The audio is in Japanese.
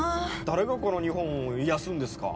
誰がこの日本を癒やすんですか？